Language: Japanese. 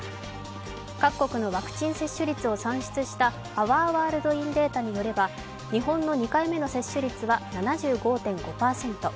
各国のワクチン接種率を算出したアワーワールドインデータによれば日本の２回目の接種率は７５．５％